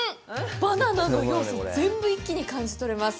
バナナの要素、全部一気に感じ取れます。